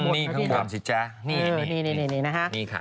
นี่คำคำสิจ๊ะนี่นะฮะ